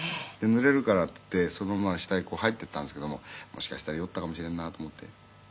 「ぬれるからっていってそのまま下へ入って行ったんですけどももしかしたら酔ったかもしれんなと思って」